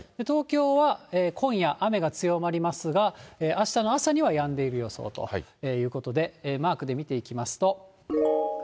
東京は今夜、雨が強まりますが、あしたの朝にはやんでいる予想ということで、マークで見ていきますと。